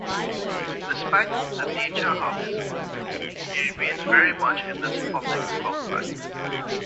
Despite the nature of his work, he remained very much in the public spotlight.